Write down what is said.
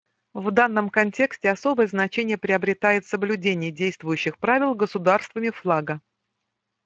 В данном контексте особое значение приобретает соблюдение действующих правил государствами флага.